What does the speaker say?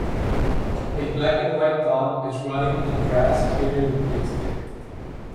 A black and white dog is running in grass carrying a big stick.